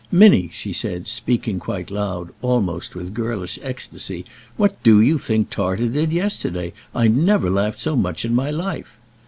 "Minnie," she said, speaking quite loud, almost with girlish ecstasy, "what do you think Tartar did yesterday? I never laughed so much in my life."